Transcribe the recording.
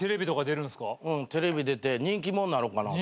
テレビ出て人気者なろうかな思て。